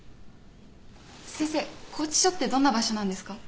先生拘置所ってどんな場所なんですか？